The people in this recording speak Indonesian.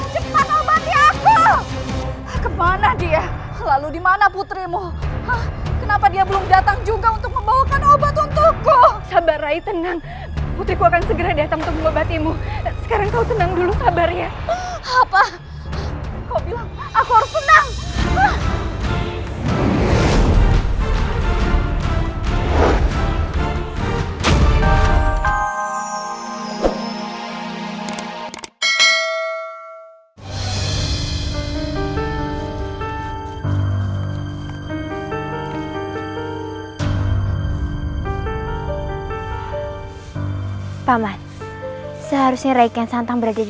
sampai jumpa di video selanjutnya